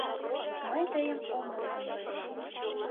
Мый тыйым ом ӧкымлӧ.